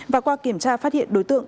và qua kiểm tra phát hiện đối tượng